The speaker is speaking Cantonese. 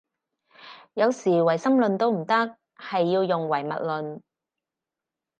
有時唯心論都唔得，係要用唯物論